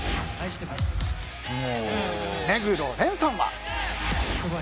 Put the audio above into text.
目黒蓮さんは。